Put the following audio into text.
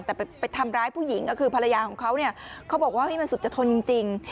แต่ไปทำร้ายผู้หญิงก็คือภรรยาของเขาเนี่ยเขาบอกว่ามันสุดจะทนจริง